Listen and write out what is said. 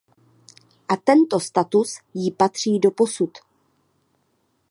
A tento status jí patří doposud.